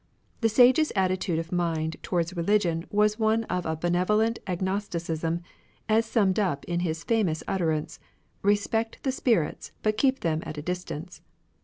The Sage's attitude of mind towards religion was ^ one of a benevolent agnosticism, as summed up in his famous utterance, " Respect the spirits, but keep them at a distance."